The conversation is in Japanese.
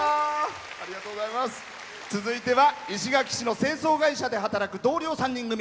続いては石垣市の清掃会社で働く同僚３人組。